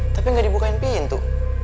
tapi gak dibukain pintu